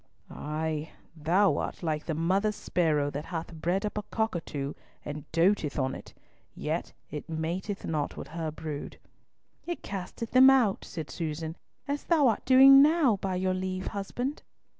Ay, thou art like the mother sparrow that hath bred up a cuckoo and doteth on it, yet it mateth not with her brood." "It casteth them out," said Susan, "as thou art doing now, by your leave, husband."